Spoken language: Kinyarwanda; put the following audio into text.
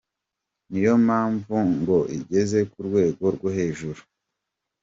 Ni yo mpamvu ngo igeze ku rwego rwo hejuru.